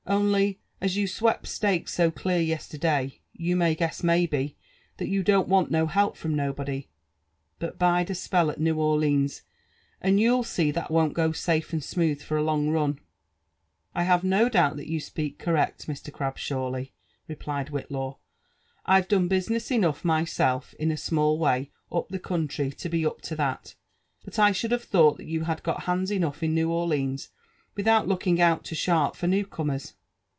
Only; as you swept stakes so dear yester day, you may guess maybe, that ybu don't want no help from nobody ; but bide a spell at New Orlines, and you'll see that won't go safe and smodth for a loUg run." I have no doi|bt that you speak correct, Ifr. Grabshawly,'^ replied Whillaw. Fve done business enough myself, in A small way, up the country, to be up to that. But I should hare thought that you had got hands enough in New Oflities, w^out looking tnit so ftharp for new comers."